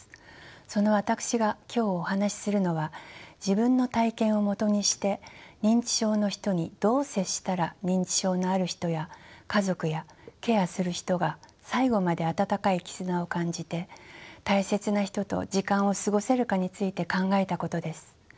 その私が今日お話しするのは自分の体験をもとにして認知症の人にどう接したら認知症のある人や家族やケアする人が最後まで温かい絆を感じて大切な人と時間を過ごせるかについて考えたことです。